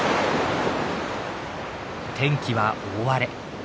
天気は大荒れ。